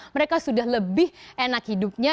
mereka sudah lebih enak hidupnya